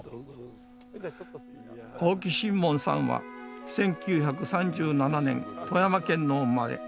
青木新門さんは１９３７年富山県のお生まれ。